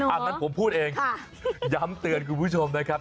อย่างนั้นผมพูดเองย้ำเตือนคุณผู้ชมนะครับ